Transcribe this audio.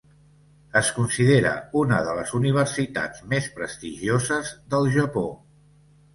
Es considera una de les universitats més prestigioses del Japó.